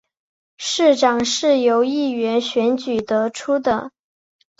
市长是由议员选举得出的。